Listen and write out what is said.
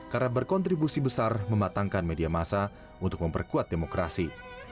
karena berkontribusi besar mematangkan media masa untuk memperkuat demokrasi